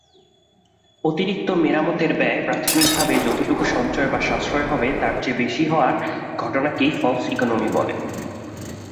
অতিরিক্ত মেরামতের ব্যয় প্রাথমিকভাবে যতটুকু সঞ্চয় বা সাশ্রয় হবে তার চেয়ে বেশি হওয়ার ঘটনাকে 'ফলস ইকোনমি' বলে।